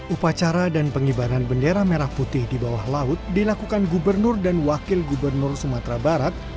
upacara dan pengibaran bendera merah putih di bawah laut dilakukan gubernur dan wakil gubernur sumatera barat